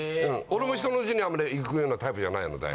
俺も人の家にあんまり行くようなタイプじゃないので。